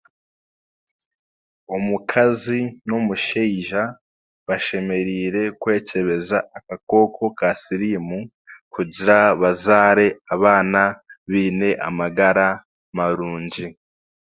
Omukazi n'omusheija bashemereire kwekyebeza akakooko ka siriimu kugira bazaare abaana biine amagara marungi.